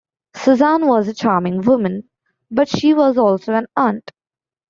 Susan was a charming woman, but she was also an aunt.